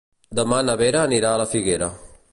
Demà na Vera anirà a la Figuera.